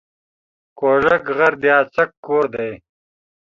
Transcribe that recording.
کوږک غر د اڅک کور دی